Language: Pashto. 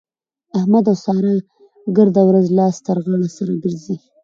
احمد او سارا ګرده ورځ لاس تر غاړه سره ګرځي.